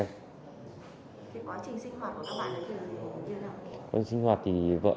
quá trình sinh hoạt thì vợ em nói hết